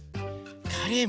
カレー